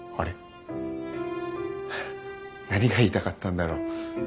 何が言いたかったんだろう。ハハハ。